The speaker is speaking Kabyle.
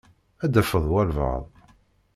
Ad tafeḍ walebɛaḍ.